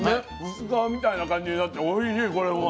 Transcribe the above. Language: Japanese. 薄皮みたいな感じになっておいしいこれも。